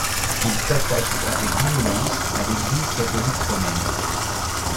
Il s'attaque avec virulence à l'Église catholique romaine.